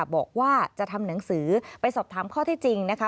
บอกว่าจะทำหนังสือไปสอบถามข้อที่จริงนะคะ